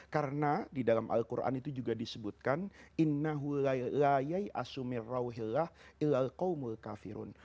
karena di dalam al quran itu juga disebutkan